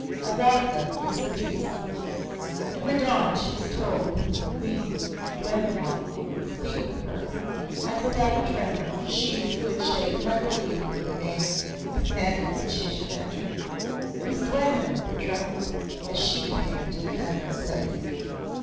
About them is the Peace. In the dawn she was told that the Queen, Dwaymenau, would speak with her, and without a tremor she who had shaken like a leaf at that name commanded that she should enter. It was Dwaymenau that trembled as she came into that unknown place.